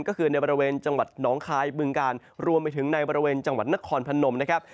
ก็คือในบริเวณจังหวัดหนองคายบึงกาลรวมไปถึงในบริเวณจังหวัดนครพนมนะครับ